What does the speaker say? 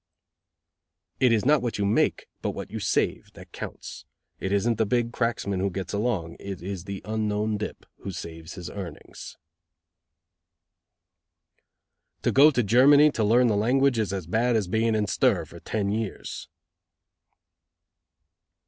"It is not what you make, but what you save, that counts. It isn't the big cracksman who gets along. It is the unknown dip who saves his earnings." "To go to Germany to learn the language is as bad as being in stir for ten years."